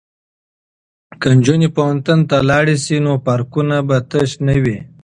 که نجونې پوهنتون ته لاړې شي نو پارکونه به تش نه وي.